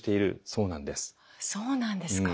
そうなんですか。